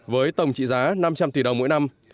với tổng trị giá năm trăm linh tỷ đồng mỗi năm